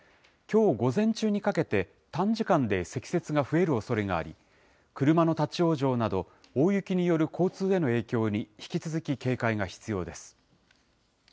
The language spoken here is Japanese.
きょう午前中にかけて短時間で積雪が増えるおそれがあり、車の立往生など、大雪による交通への影響に引き続き警戒が必要です。